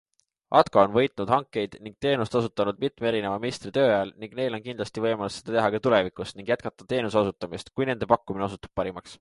Atko on võitnud hankeid ning teenust osutanud mitme erineva ministri tööajal ning neil on kindlasti võimalus seda teha ka tulevikus ning jätkata teenuse osutamist, kui nende pakkumine osutub parimaks.